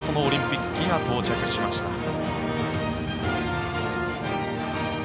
今ちょうどそのオリンピック旗が到着しました。